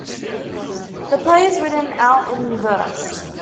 The play is written out in verse.